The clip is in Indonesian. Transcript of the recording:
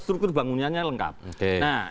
struktur bangunannya lengkap nah